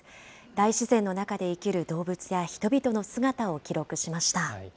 大自然の中で生きる動物や人々の姿を記録しました。